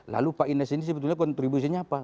lalu pak ines ini sebetulnya kontribusinya apa